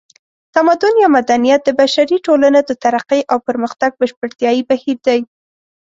تمدن یا مدنیت د بشري ټولنو د ترقۍ او پرمختګ بشپړتیایي بهیر دی